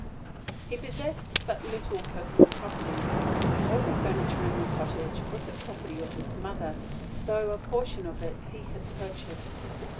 He possessed but little personal property. All the furniture in the cottage was the property of his mother, though a portion of it he had purchased.